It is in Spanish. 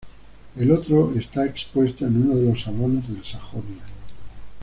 El otro está expuesto en uno de los salones del "Sajonia".